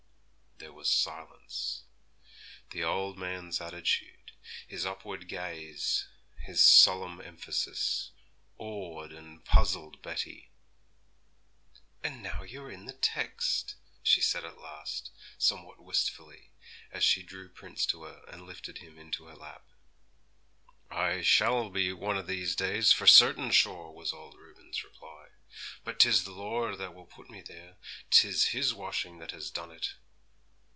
There was silence; the old man's attitude, his upward gaze, his solemn emphasis, awed and puzzled Betty. 'And now you're in the text!' she said at last, somewhat wistfully; as she drew Prince to her, and lifted him into her lap. 'I shall be one o' these days, for certain sure,' was old Reuben's reply; 'but 'tis the Lord that will put me there; 'tis His washing that has done it.'